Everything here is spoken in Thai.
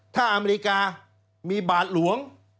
ถ้าอเมริกามีบาทหลวง